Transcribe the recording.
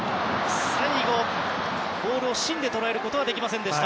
最後、ボールを芯で捉えることはできませんでした。